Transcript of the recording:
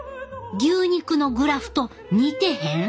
牛肉のグラフと似てへん？